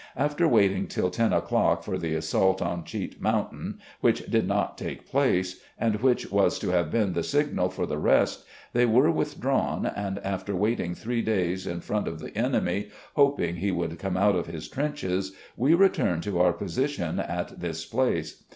After waiting till lo o'clock for the assault on Cheat Mountain, which did not take place, and which was to have been the signal for the rest, they were withdrawn, and, after waiting three days in front of the enemy, hoping he would come out of his trenches, we returned to our position at this place.